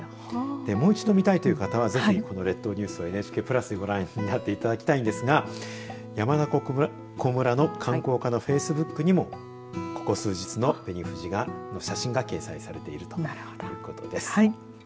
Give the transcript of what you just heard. もう一度見たいという方はぜひ列島ニュースをＮＨＫプラスでご覧になっていただきたいんですが山中湖村の観光課のフェイスブックにもここ数日の紅富士が写真が掲載されているということです。